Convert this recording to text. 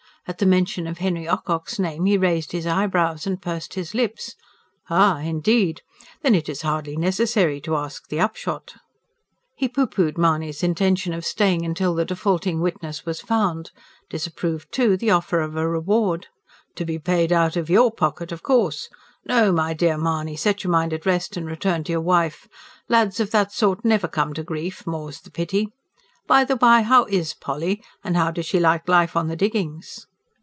At the mention of Henry Ocock's name he raised his eyebrows and pursed his lips. "Ah, indeed! Then it is hardly necessary to ask the upshot." He pooh poohed Mahony's intention of staying till the defaulting witness was found; disapproved, too, the offer of a reward. "To be paid out of YOUR pocket, of course! No, my dear Mahony, set your mind at rest and return to your wife. Lads of that sort never come to grief more's the pity! By the bye, how IS Polly, and how does she like life on the diggings?"